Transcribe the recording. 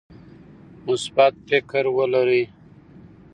مثبت فکر ولرئ.